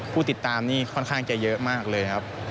ผู้ติดตามนี่ค่อนข้างจะเยอะมากเลยครับ